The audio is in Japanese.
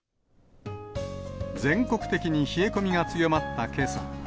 全国的に冷え込みが強まったけさ。